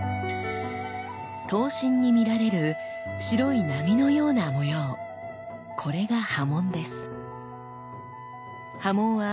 刀身に見られる白い波のような模様これが刃文です。